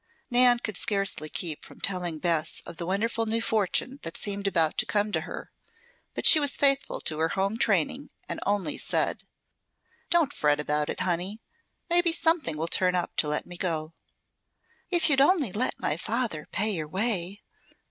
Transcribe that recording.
Nan could scarcely keep from telling Bess of the wonderful new fortune that seemed about to come to her; but she was faithful to her home training, and only said: "Don't fret about it, honey. Maybe something will turn up to let me go." "If you'd let my father pay your way